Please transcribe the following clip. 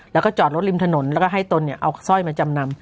แล้วก็จอดรถริมถนนแล้วก็ให้ตนเอาสร้อยมาจำนำ